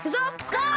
ゴー！